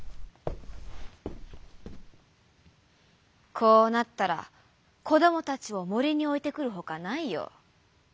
「こうなったらこどもたちをもりにおいてくるほかないよ」。